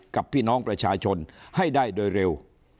กับพี่น้องประชาชนให้ได้โดยเร็ว